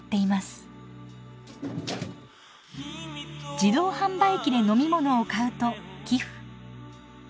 自動販売機で飲み物を買うと寄付。